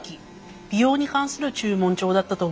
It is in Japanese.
美容に関する註文帳だったと思われます。